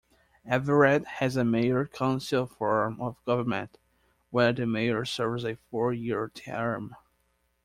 Everett has a mayor-council form of government, where the mayor serves a four-year term.